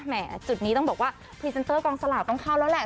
จุดนี้ต้องบอกว่าพรีเซนเตอร์กองสลากต้องเข้าแล้วแหละ